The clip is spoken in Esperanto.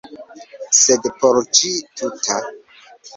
Sed por ĝi tuta.